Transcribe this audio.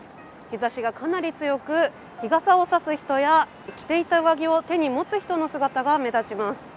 日ざしがかなり強く、日傘を差す人や上着を手に持つ人の姿が目立ちます。